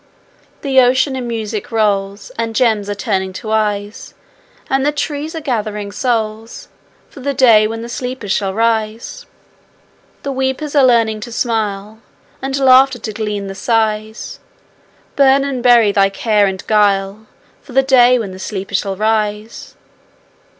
The ocean in music rolls, And gems are turning to eyes, And the trees are gathering souls For the day when the sleepers shall rise. The weepers are learning to smile, And laughter to glean the sighs; Burn and bury the care and guile, For the day when the sleepers shall rise.